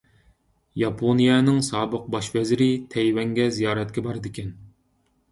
ياپونىيەنىڭ سابىق باش ۋەزىرى تەيۋەنگە زىيارەتكە بارىدىكەن.